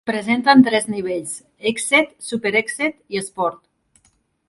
Es presenta en tres nivells: Exceed, Super Exceed i Sport.